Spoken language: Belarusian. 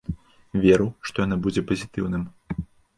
Веру, што яно будзе пазітыўным.